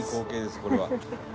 これは」